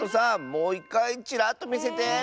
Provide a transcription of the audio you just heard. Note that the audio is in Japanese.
もういっかいチラッとみせて。